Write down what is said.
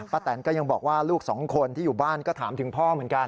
แตนก็ยังบอกว่าลูกสองคนที่อยู่บ้านก็ถามถึงพ่อเหมือนกัน